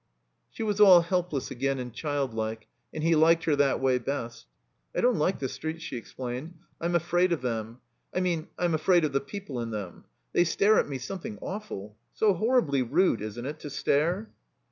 She was all helpless again and childlike, and he liked her that way best. "I don't like the streets," she explained. "I'm afraid of them. I mean I'm afraid of the people in them. They stare at me something awful. So horribly rude, isn't it, to stare?"